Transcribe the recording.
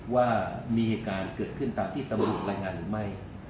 ว่ามีเหตุการณ์เกิดขึ้นตามที่ตำรวจรายงานหรือไม่